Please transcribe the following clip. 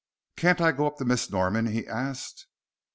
"Can't I go up to Miss Norman?" he asked.